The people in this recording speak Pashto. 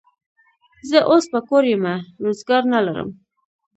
زه اوس په کور یمه، روزګار نه لرم.